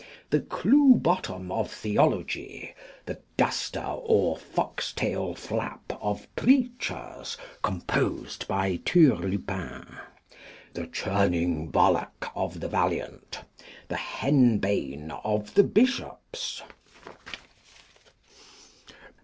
The Clew bottom of Theology. The Duster or Foxtail flap of Preachers, composed by Turlupin. The Churning Ballock of the Valiant. The Henbane of the Bishops.